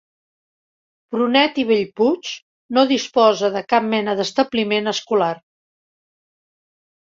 Prunet i Bellpuig no disposa de cap mena d'establiment escolar.